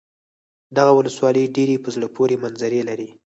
دغه ولسوالي ډېرې په زړه پورې منظرې لري.